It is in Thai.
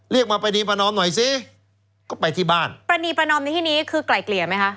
เรียกมาปรณีประนอมหน่อยสิก็ไปที่บ้านปรณีประนอมในที่นี้คือไกล่เกลี่ยไหมคะ